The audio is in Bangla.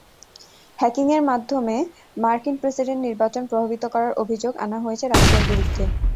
হ্যাকিংয়ে মাধ্যমে মার্কিন প্রেসিডেন্ট নির্বাচন প্রভাবিত করার অভিযোগ আনা হয়েছে রাশিয়ার বিরুদ্ধে।